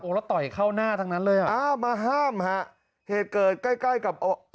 โอ้โหแล้วต่อยเข้าหน้าทั้งนั้นเลยหรออ้าวมาห้ามค่ะเหตุเกิดใกล้กับ